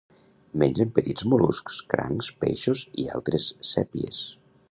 Mengen petits mol·luscs, crancs, peixos i altres sèpies.